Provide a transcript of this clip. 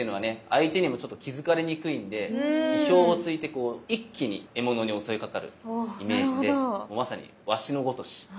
相手にもちょっと気づかれにくいんで意表をついてこう一気に獲物に襲いかかるイメージでまさに鷲のごとし。